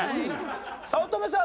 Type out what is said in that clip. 早乙女さん